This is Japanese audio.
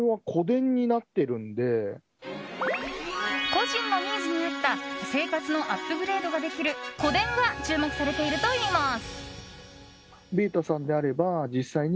個人のニーズに合った生活のアップグレードができる個電が注目されているといいます。